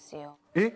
えっ？